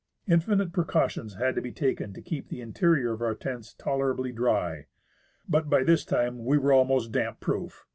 Infinite precautions had to be taken to keep the interior of our tents tolerably drj'. But by this time we were almost damp proof.